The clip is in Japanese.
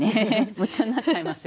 夢中になっちゃいますよね。